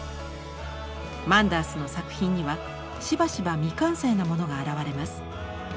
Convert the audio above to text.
マンダースの作品にはしばしば未完成なものが現れます。